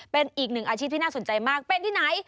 เป็นอีกหนึ่งอาชีพที่น่าสนใจมากเป็นที่ไหน